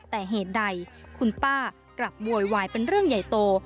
แต่เหตุใดคุณป้ากลับโวยวายเป็นเรื่องใหญ่โต